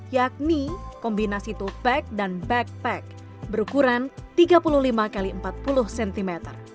yakni kombinasi topeck dan backpack berukuran tiga puluh lima x empat puluh cm